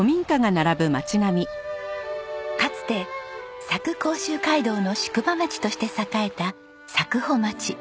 かつて佐久甲州街道の宿場町として栄えた佐久穂町。